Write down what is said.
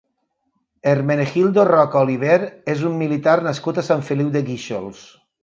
Hermenegildo Roca Oliver és un militar nascut a Sant Feliu de Guíxols.